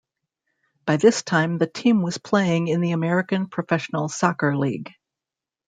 By this time the team was playing in the American Professional Soccer League.